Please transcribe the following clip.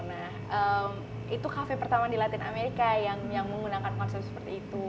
nah itu kafe pertama di latin amerika yang menggunakan konsep seperti itu